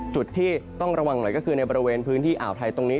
จุดที่ต้องระวังหน่อยก็คือในบริเวณพื้นที่อ่าวไทยตรงนี้